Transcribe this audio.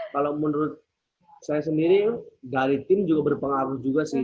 kalau menurut saya sendiri dari tim juga berpengaruh juga sih